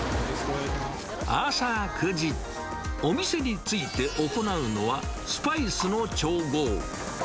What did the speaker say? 朝９時、お店に着いて行うのは、スパイスの調合。